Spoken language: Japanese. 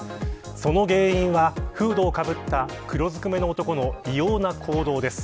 その原因は、フードをかぶった黒ずくめの男の異様な行動です。